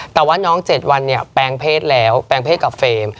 แต่ว่าน้อง๗วันเนี่ยแปลงเพศแล้วแปลงเพศกับเฟรม